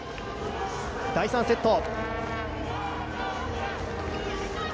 第３セット。